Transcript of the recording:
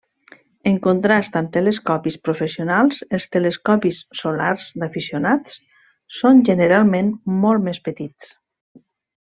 En contrast amb telescopis professionals, els telescopis solars d'aficionats són generalment molt més petits.